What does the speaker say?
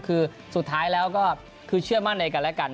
คือสุดท้ายแล้วก็คือเชื่อมั่นในกันและกัน